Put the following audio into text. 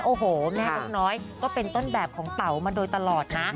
โอ้โหแม่นกน้อยก็เป็นต้นแบบของเต๋ามาโดยตลอดนะ